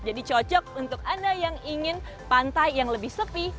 jadi cocok untuk anda yang ingin pantai yang lebih sepi